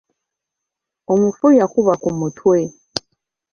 Omufu yakubwa ku mutwe.